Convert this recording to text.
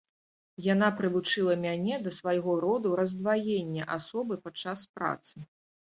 Яна прывучыла мяне да свайго роду раздваення асобы падчас працы.